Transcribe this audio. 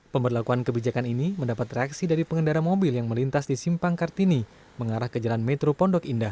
pemberlakuan kebijakan ini mendapat reaksi dari pengendara mobil yang melintas di simpang kartini mengarah ke jalan metro pondok indah